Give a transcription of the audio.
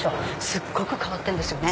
すっごく変わってるんですよね。